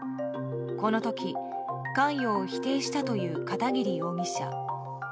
この時、関与を否定したという片桐容疑者。